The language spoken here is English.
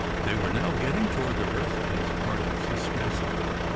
They were now getting toward the residence part of Ciscasset.